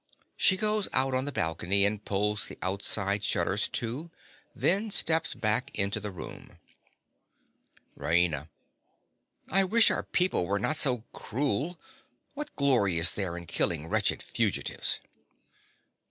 (She goes out on the balcony and pulls the outside shutters to; then steps back into the room.) RAINA. I wish our people were not so cruel. What glory is there in killing wretched fugitives?